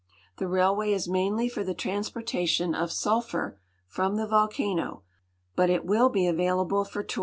The railway is mainly for the transpor tation of sulphur from the volcano, but it will be available for tourists.